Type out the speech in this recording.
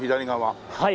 はい。